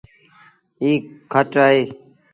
ايٚ کٽ اهي ۔